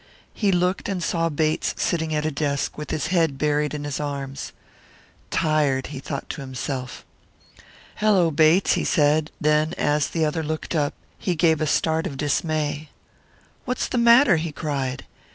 He looked and saw Bates sitting at a desk, with his head buried in his arms. "Tired," he thought to himself. "Hello, Bates," he said; then, as the other looked up, he gave a start of dismay. "What's the matter?" he cried.